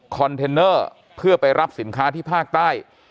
เทนเนอร์เพื่อไปรับสินค้าที่ภาคใต้